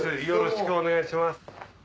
よろしくお願いします。